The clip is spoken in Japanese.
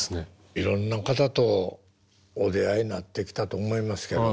いろんな方とお出会いになってきたと思いますけども。